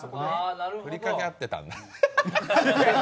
ふりかけ合ってたんだ。